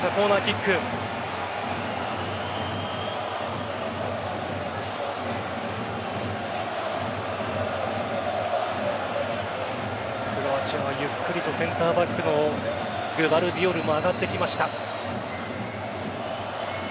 クロアチアはゆっくりとセンターバックのグヴァルディオルも上がってきました。